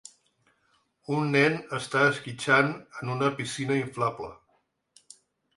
Un nen està esquitxant en una piscina inflable.